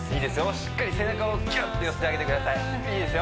しっかり背中をキュッと寄せてあげてくださいいいですよ